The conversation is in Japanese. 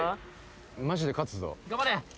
マジで勝つぞ頑張れ！